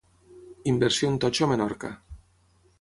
Inversió en totxo a Menorca.